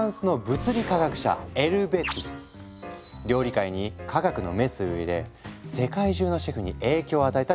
料理界に科学のメスを入れ世界中のシェフに影響を与えた人物だ。